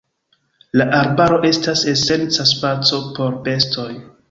La arbaro estas esenca spaco por bestoj.